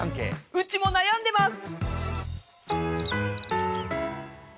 うちも悩んでます！